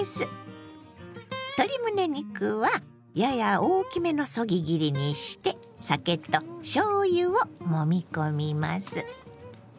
鶏むね肉はやや大きめのそぎ切りにして酒としょうゆをもみ込みます。